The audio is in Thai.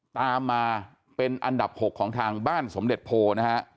ตามมาเป็นอันดับ๖ของทางบ้านสมเด็จโพนะฮะ